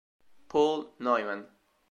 Paul Neumann